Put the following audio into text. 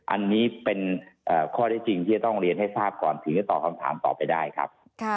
อันนี้เป็นข้อได้จริงที่จะต้องเรียนให้ทราบก่อนถึงจะตอบคำถามต่อไปได้ครับ